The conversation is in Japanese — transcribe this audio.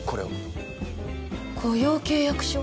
雇用契約書？